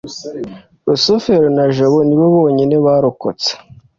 rusufero na jabo ni bo bonyine barokotse